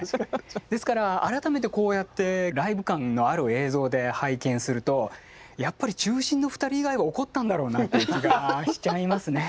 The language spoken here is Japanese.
ですから改めてこうやってライブ感のある映像で拝見するとやっぱり中心の２人以外は怒ったんだろうなっていう気がしちゃいますね。